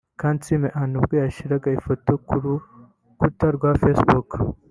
Kansiime Anne ubwo yashyiraga ifoto ku rukuta rwa Facebook